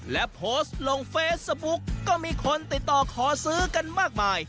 และโพสต์ลงเฟซบุ๊กก็มีคนติดต่อขอซื้อกันมากมาย